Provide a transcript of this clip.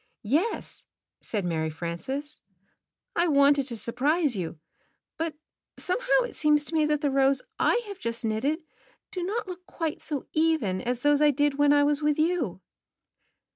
''Yes," said ^lary Frances, "I wanted to surprise you, but somehow it seems to me that the rows I have just knitted do not look quite so even as those I did when I was with you."